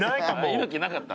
猪木なかった？